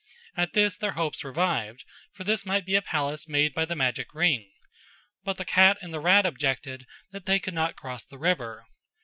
At this their hopes revived, for this might be a palace made by the magic ring. But the cat and the rat objected that they could not cross the river.